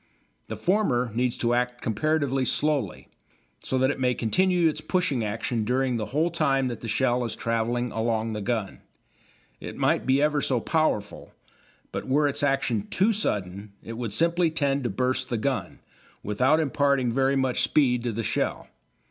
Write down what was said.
The former needs to act comparatively slowly, so that it may continue its pushing action during the whole time that the shell is travelling along the gun. It might be ever so powerful, but were its action too sudden it would simply tend to burst the gun, without imparting very much speed to the shell.